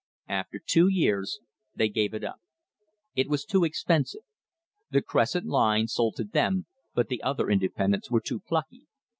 After two years they gave it up. It was too expensive. The Crescent Line sold to them, but the other independents were too plucky.